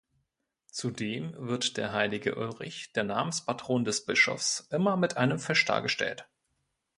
Zudem wird der Heilige Ulrich, der Namenspatron des Bischofs, immer mit einem Fisch dargestellt.